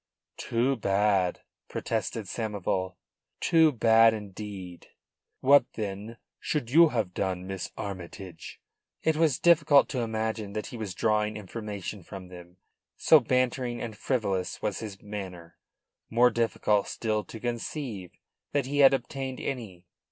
"Too bad," protested Samoval. "Too bad, indeed. What, then, should you have done, Miss Armytage?" It was difficult to imagine that he was drawing information from them, so bantering and frivolous was his manner; more difficult still to conceive that he had obtained any.